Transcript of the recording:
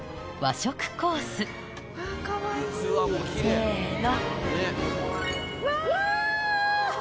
せの。